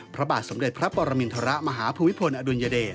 พระบาทสมเด็จพระปรมินทรมาฮภูมิพลอดุลยเดช